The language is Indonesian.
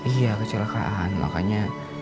iya kecelakaan makanya